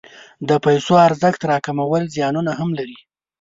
د پیسو ارزښت راکمول زیانونه هم لري.